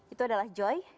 itu adalah joy